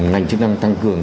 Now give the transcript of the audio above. ngành chức năng tăng cường